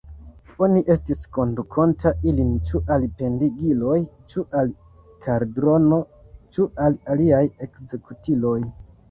Oni estis kondukonta ilin ĉu al pendigiloj, ĉu al kaldrono, ĉu al aliaj ekzekutiloj.